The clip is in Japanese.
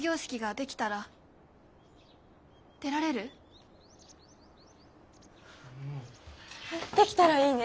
できたらいいね。